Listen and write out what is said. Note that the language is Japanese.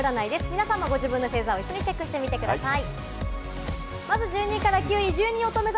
皆さんもご自分の星座を一緒にチェックしてみてください。